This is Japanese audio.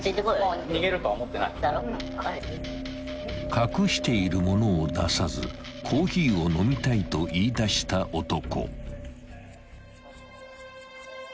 ［隠しているものを出さずコーヒーを飲みたいと言いだした男］